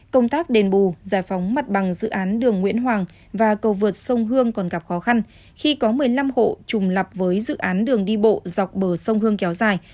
công tác đền bù giải phóng mặt bằng dự án đường nguyễn hoàng và cầu vượt sông hương còn gặp khó khăn khi có một mươi năm hộ trùng lập với dự án đường đi bộ dọc bờ sông hương kéo dài